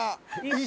石。